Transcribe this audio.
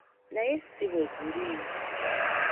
Naye si bwe guli.